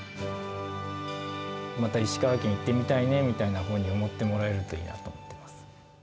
また石川県行ってみたいなというふうに思ってもらえるといいなと思っています。